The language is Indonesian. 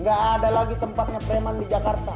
gak ada lagi tempatnya preman di jakarta